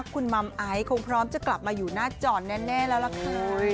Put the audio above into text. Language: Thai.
คุณมัมไอซ์คงพร้อมจะกลับมาอยู่หน้าจอแน่แล้วล่ะค่ะ